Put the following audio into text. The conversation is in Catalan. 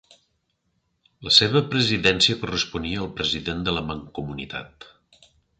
La seva presidència corresponia al president de la Mancomunitat.